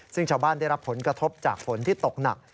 ซึ่งชาวบ้านได้รับผลกระทบจากฝนที่ตกหนัก